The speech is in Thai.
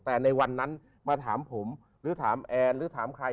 แต่ในวันนั้นมาถามผมหรือถามแอนหรือถามใคร